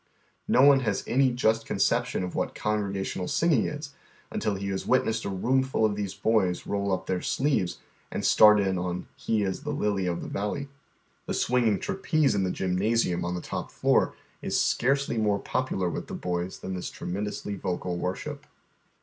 Xo one has any just conception of what congregation a! singing is until lie has witnessed a TOomful of these boys roll np their sleeves and start in on " I am a lily of the valley." The swinging trapeze in the gymnasium on the top floor is scarcely more popular with the boys than this tremendously vocal worship.